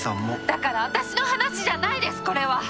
だから私の話じゃないですこれは。